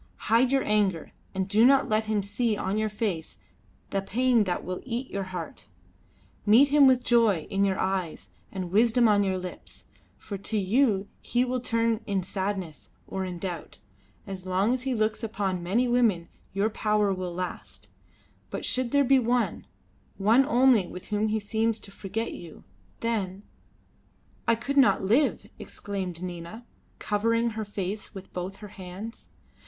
Hide your anger, and do not let him see on your face the pain that will eat your heart. Meet him with joy in your eyes and wisdom on your lips, for to you he will turn in sadness or in doubt. As long as he looks upon many women your power will last, but should there be one, one only with whom he seems to forget you, then " "I could not live," exclaimed Nina, covering her face with both her hands.